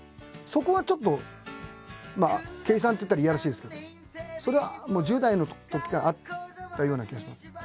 そこはちょっと計算って言ったらいやらしいですけどそれはもう１０代のときからあったような気がします。